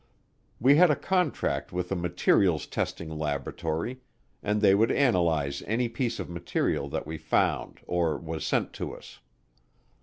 We had a contract with a materials testing laboratory, and they would analyze any piece of material that we found or was sent to us.